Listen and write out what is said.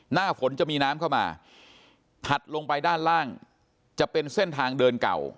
หน้าฝนจะมีน้ำเข้ามาถัดลงไปด้านล่างจะเป็นเส้นทางเดินเก่า